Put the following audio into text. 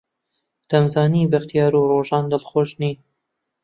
دەمزانی بەختیار و ڕۆژان دڵخۆش نین.